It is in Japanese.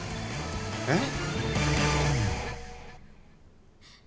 えっ？